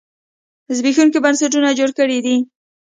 زبېښونکي بنسټونه جوړ کړي دي.